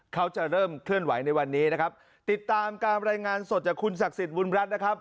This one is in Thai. เขาจะเริ่มเคลื่อนไหวในวันนี้นะครับติดตามการรายงานสดจากคุณศักดิ์สิทธิบุญรัฐนะครับ